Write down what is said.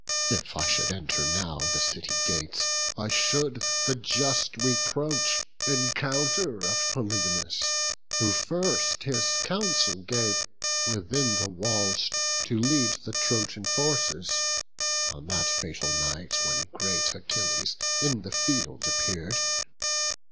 if I should enter now The city gates, I should the just reproach Encounter of Polydamas, who first His counsel gave within the walls to lead The Trojan forces, on that fatal night When great Achilles in the field appear'd.